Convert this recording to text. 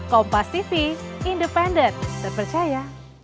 kompas tv independen terpercaya